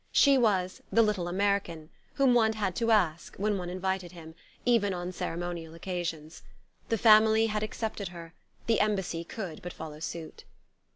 She was "the little American" whom one had to ask when one invited him, even on ceremonial occasions. The family had accepted her; the Embassy could but follow suit.